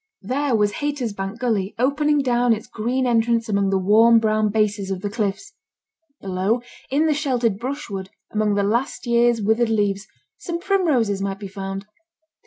There was Haytersbank gully opening down its green entrance among the warm brown bases of the cliffs. Below, in the sheltered brushwood, among the last year's withered leaves, some primroses might be found.